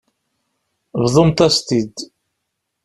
Bḍumt-as-t-id.